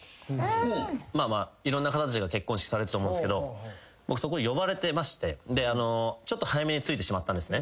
いろんな方たちが結婚式されてたと思うんですけど僕そこに呼ばれてましてちょっと早めに着いてしまったんですね。